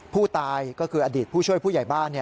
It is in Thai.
ผู้ตายก็คืออดีตผู้ช่วยผู้ใหญ่บ้าน